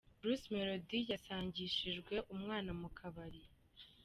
Bruce Melody yasangishijwe umwana mu kabari .